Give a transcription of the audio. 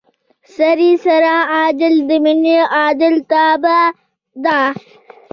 سړي سر عاید د ملي عاید تابع ده.